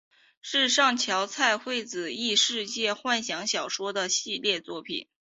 是上桥菜穗子异世界幻想小说的系列作品。